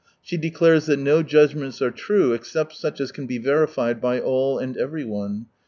She declares that no judgments are true except such as can be verified by all and everyone.